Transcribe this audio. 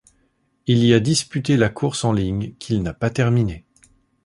Il y a disputé la course en ligne, qu'il n'a pas terminée.